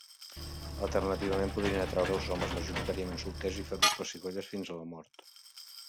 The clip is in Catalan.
Alternativament, podrien atraure els homes, majoritàriament solters, i fer-los pessigolles fins a la mort.